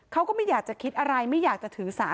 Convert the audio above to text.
เขาก็ไม่อยากจะคิดอะไรไม่อยากจะถือสาร